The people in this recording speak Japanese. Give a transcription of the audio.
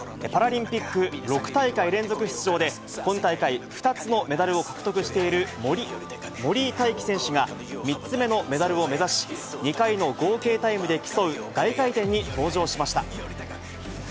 パラリンピック６大会連続出場で、今大会２つのメダルを獲得している森井大輝選手が、３つ目のメダルを目指し、２回の合計タイムで競う、大回転に登場しました。